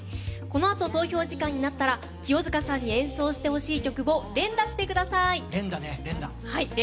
このあと投票時間になったら清塚さんに演奏してほしい曲を連打してください。